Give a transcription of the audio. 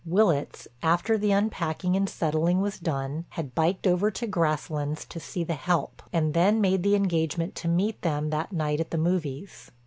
Willitts, after the unpacking and settling was done, had biked over to Grasslands to see "the help," and then made the engagement to meet them that night at the movies.